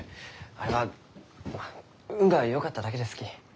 あれは運がよかっただけですき。